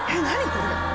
これ。